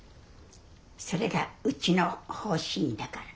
それがうちの方針だから。